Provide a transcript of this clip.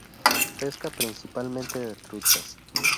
Pesca principalmente de truchas.